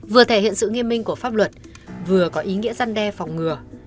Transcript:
vừa thể hiện sự nghiêm minh của pháp luật vừa có ý nghĩa gian đe phòng ngừa